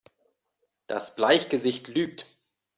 Das Bleichgesicht lügt!